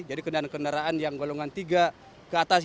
jadi kendaraan kendaraan yang golongan tiga ke atas